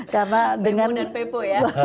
pepo dan pepo ya